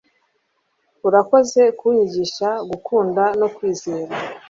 urakoze kunyigisha gukunda no kwizera